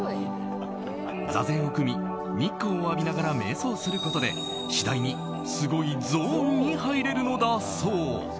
座禅を組み、日光を浴びながら瞑想をすることで次第にすごいゾーンに入れるのだそう。